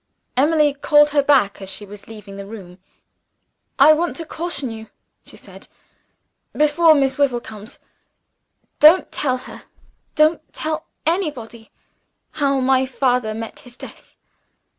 Emily called her back as she was leaving the room. "I want to caution you," she said, "before Miss Wyvil comes. Don't tell her don't tell anybody how my father met his death.